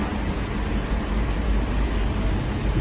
ไม่ค่อย